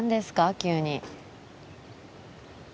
急に。